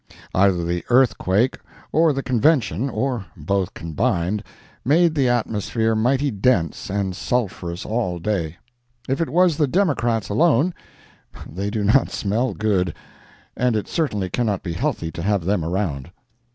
Either the earthquake or the Convention, or both combined, made the atmosphere mighty dense and sulphurous all day. If it was the Democrats alone, they do not smell good, and it certainly cannot be healthy to have them around.